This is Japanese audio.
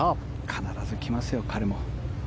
必ず来ますよ、彼も。